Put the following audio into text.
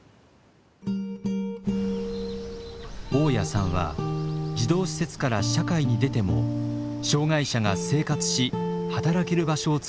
雄谷さんは児童施設から社会に出ても障害者が生活し働ける場所をつくろうと考えました。